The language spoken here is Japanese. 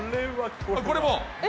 これも。